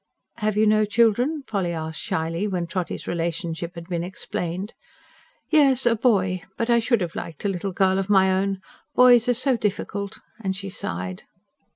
"Have you no children?" Polly asked shyly, when Trotty's relationship had been explained. "Yes, a boy. But I should have liked a little girl of my own. Boys are so difficult," and she sighed.